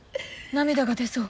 涙が出そう。